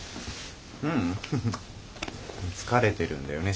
ううん疲れてるんだよね